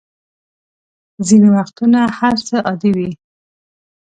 ځینې وختونه هر څه عادي وي.